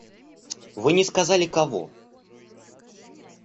Вы не сказали - кого.